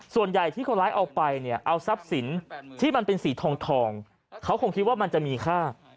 ส่วนใหญ่ที่คนร้ายเอาไปเนี่ยเอาทรัพย์สินที่มันเป็นสีทองเขาคงคิดว่ามันจะมีค่า